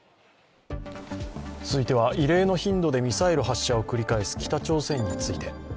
続いては、異例の頻度でミサイル発射を繰り返す北朝鮮について。